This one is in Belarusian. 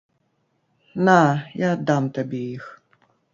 На, я аддам табе іх.